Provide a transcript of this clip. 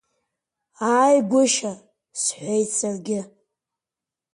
Ааи гәышьа, — сҳәеит саргьы.